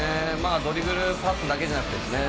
「ドリブルパスだけじゃなくてですね